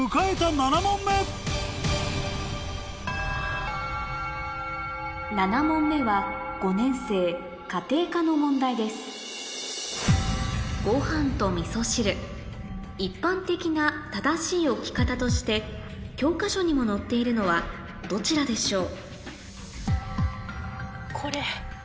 ７問目７問目はの問題ですご飯と味噌汁一般的な正しい置き方として教科書にも載っているのはどちらでしょう？